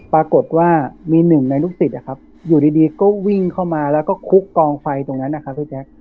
ปรากฏว่ามีหนึ่งในลูกศิษย์อยู่ดีก็วิ่งเข้ามาแล้วก็คุกกองไฟตรงนั้นนะครับพี่แจ๊ค